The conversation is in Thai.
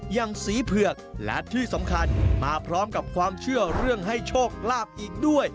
อย่างสีเผือกและที่สำคัญมาพร้อมกับความเชื่อเรื่องให้โชคลาภอีกด้วย